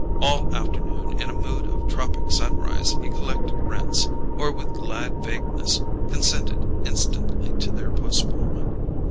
All afternoon in a mood of tropic sunrise he collected rents, or with glad vagueness consented instantly to their postponement.